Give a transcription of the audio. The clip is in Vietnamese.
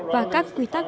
và các quy tắc